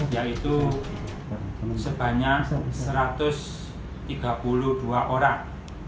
yaitu sebanyak satu ratus tiga puluh dua orang